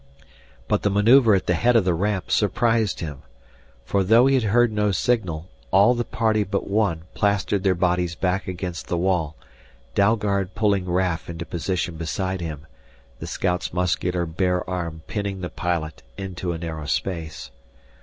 But the maneuver at the head of the ramp surprised him. For, though he had heard no signal, all the party but one plastered their bodies back against the wall, Dalgard pulling Raf into position beside him, the scout's muscular bare arm pinning the pilot into a narrow space.